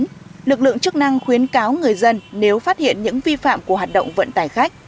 tuy nhiên lực lượng chức năng khuyến cáo người dân nếu phát hiện những vi phạm của hoạt động vận tải khách